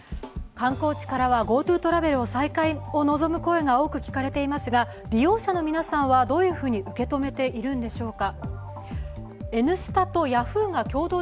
観光地からはＧｏＴｏトラベル再開を望む声が多く聞かれていますが利用者の皆さんはどういうふうに受け止めているんでしょうか。